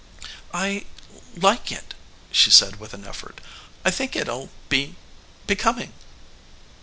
"I like it," she said with an effort. "I think it'll be becoming."